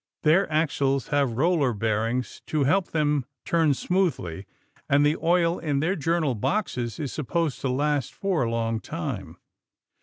Their axles have roller bearings to help them turn smoothly, and the oil in their journal boxes is supposed to last for a long time.